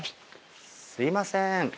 すいません。